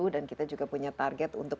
dan kita juga punya target untuk